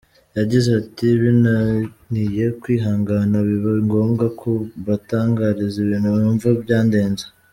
Yagize ati “Binaniye kwihangana biba ngombwa ku mbatangariza ibintu numva byandenze.